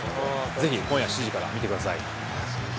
ぜひ今夜７時から見てください。